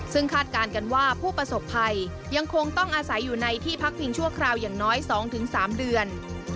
ซึ่งคาดการณ์กันว่าผู้ประสบภัยยังคงต้องอาศัยอยู่ในที่พักพิงชั่วคราวอย่างน้อย๒๓เดือน